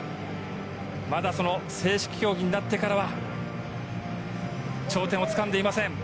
まだ正式競技になってから、頂点をつかんでいません。